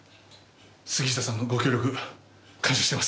杉下さんのご協力感謝してます。